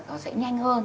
nó sẽ nhanh hơn